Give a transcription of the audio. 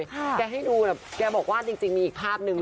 คุณผู้ชมแกให้ดูแล้วคุณบอกว่าจริงมีอีกภาพนึง